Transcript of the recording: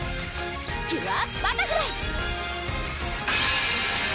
キュアバタフライ！